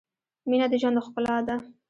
مینه د ژوند ښلا ده